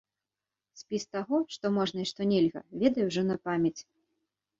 Спіс таго, што можна і што нельга, ведае ўжо на памяць.